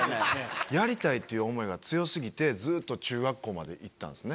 「やりたい」っていう思いが強すぎてずっと中学校までいったんですよね。